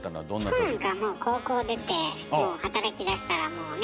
チコなんかはもう高校出て働きだしたらもうね。